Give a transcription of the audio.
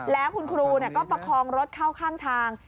แล้วคุณครูก็ประคองรถเข้าข้างทาง